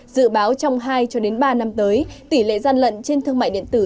dự báo trong hai ba năm tới tỷ lệ gian lận trên thương mại điện tử